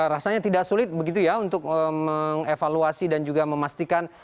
rasanya tidak sulit begitu ya untuk mengevaluasi dan juga memastikan